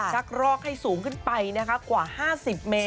ักรอกให้สูงขึ้นไปนะคะกว่า๕๐เมตร